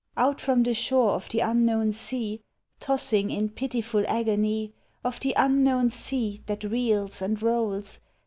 Out from the shore of the unknown sea, Tossing in pitiful agony, — Of the unknown sea that reels and rolls.